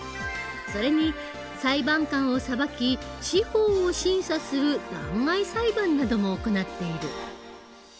それに裁判官を裁き司法を審査する弾劾裁判なども行っている。